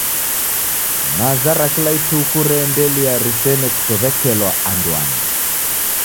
Maza ra kila ituku reendelia risene kusow'ekelwa anduangi.